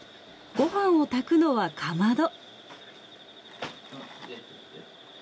ご飯を炊くのはかまど。